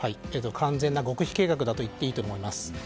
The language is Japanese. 完全な極秘計画といっていいと思います。